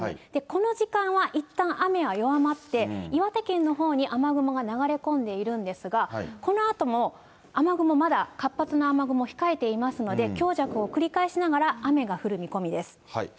この時間はいったん雨は弱まって、岩手県のほうに雨雲が流れ込んでいるんですが、このあとも雨雲、まだ活発な雨雲、控えていますので、強弱を繰り返しながら雨が降る見込みです。